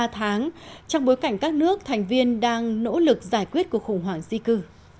trong bối cảnh các nước thành viên đang nỗ lực giải quyết cuộc khủng hoảng di cư